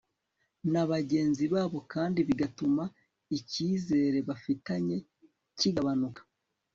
na bagenzi babo kandi bigatuma icyizere bafitanye kigabanuka